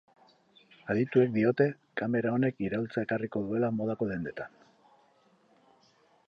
Adituek diote, kamera honek iraultza ekarriko duela modako dendetan.